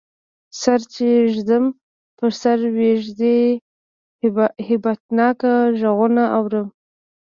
سر چی ږدمه په سر ویږدی، هیبتناک غږونه اورم